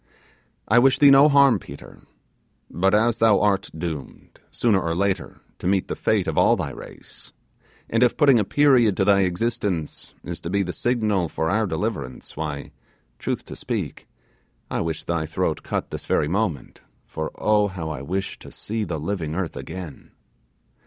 I wish thee no harm, Pedro; but as thou art doomed, sooner or later, to meet the fate of all thy race; and if putting a period to thy existence is to be the signal for our deliverance, why truth to speak I wish thy throat cut this very moment; for, oh! how I wish to see the living earth again!